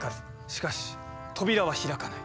しかし扉は開かない。